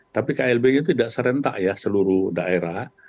tapi klb itu tidak serentak ya seluruh daerah